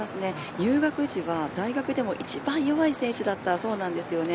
入学時は、大学でも一番弱い選手だったそうです。